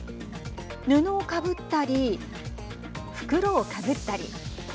布をかぶったり袋をかぶったり。